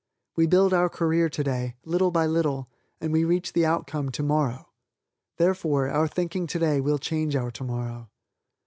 We build our career today, little by little, and we reach the outcome tomorrow. Therefore, our thinking today will change our tomorrow.